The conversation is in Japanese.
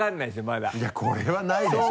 まだいやこれはないでしょ？